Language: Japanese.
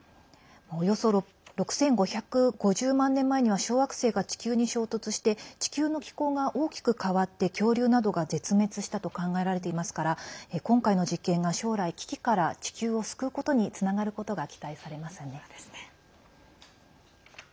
およそ６５５０万年前には小惑星が地球に衝突して地球の気候が大きく変わって恐竜などが絶滅したと考えられていますから今回の実験が将来危機から地球を救うことにつながることが期待されますね。